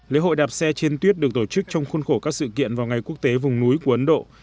lễ hội đạp xe trên tuyết được tổ chức trong khuôn khổ các sự kiện vào ngày quốc tế vùng núi của ấn độ